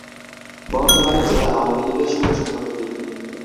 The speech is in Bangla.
বর্তমানে জেলা আওয়ামী লীগের সহ-সভাপতি।